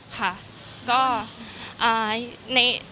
ค่ะ